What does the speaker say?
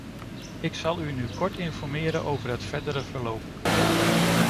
Ik zal u nu kort informeren over het verdere verloop.